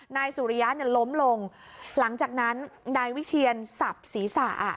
นายสุริยะเนี่ยล้มลงหลังจากนั้นนายวิเชียนสับศีรษะ